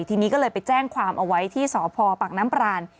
ทีนี้ก็เลยไปแจ้งความเอาไว้ที่สพปากน้ำปราน